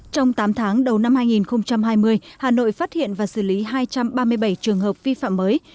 trong tám tháng đầu năm hai nghìn hai mươi hà nội phát hiện và xử lý hai trăm ba mươi bảy trường hợp vi phạm mới